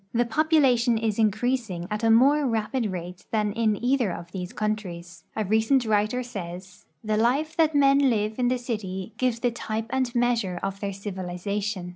The population is increasing at a more rapid rate than in either of these countries. A recent writer says :" The life that men live in the city gives the type and measure of their civilization.